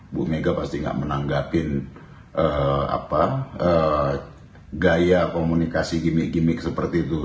bu mega pasti nggak menanggapin gaya komunikasi gimmick gimmick seperti itu